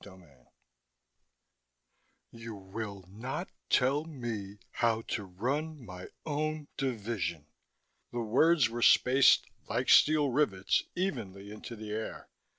PART TWO 9 "You will not tell me how to run my own division." The words were spaced, like steel rivets, evenly into the air.